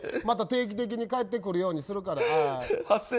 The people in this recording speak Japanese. また定期的に帰ってくるようにするからさ。